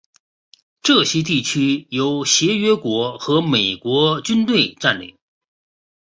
这些地区由协约国和美国军队占领。